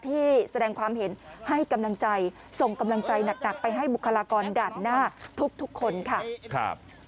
ที่แสดงความเห็นให้กำลังใจส่งกำลังใจหนักไปให้บุคลากรด่านหน้าทุกคนค่ะ